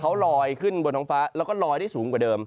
เขาลอยขึ้นบนท้องฟ้าแล้วก็ลอยได้สูงกว่าเดิม